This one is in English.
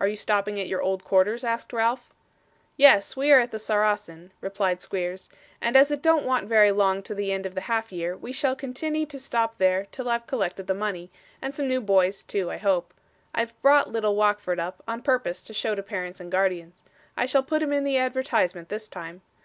'Are you stopping at your old quarters?' asked Ralph. 'Yes, we are at the Saracen,' replied Squeers, 'and as it don't want very long to the end of the half year, we shall continney to stop there till I've collected the money, and some new boys too, I hope. I've brought little Wackford up, on purpose to show to parents and guardians. I shall put him in the advertisement, this time.